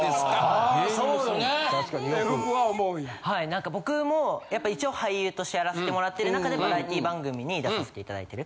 何か僕もやっぱ一応俳優としてやらせてもらってる中でバラエティー番組に出させて頂いてる。